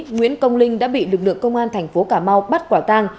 nguyễn công linh đã bị lực lượng công an thành phố cà mau bắt quả tang